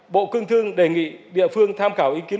bộ công thương đề nghị địa phương tham khảo ý kiến